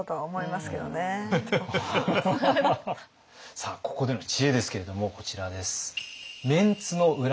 さあここでの知恵ですけれどもこちらです。